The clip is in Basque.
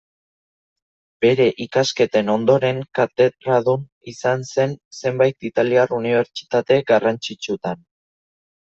Bere ikasketen ondoren katedradun izan zen zenbait italiar unibertsitate garrantzitsutan.